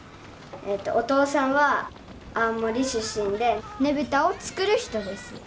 お父さんは青森出身でねぶたを作る人です。